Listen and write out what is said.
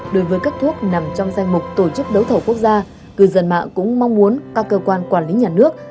đối với các thuốc nằm trong danh mục tổ chức đấu thầu quốc gia cư dân mạng cũng mong muốn các cơ quan quản lý nhà nước